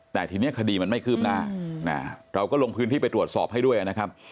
แต่ทีนี้คดีมันไม่คืบหน้าเราก็ลงพื้นที่ไปตรวจสอบให้ด้วยนะครับ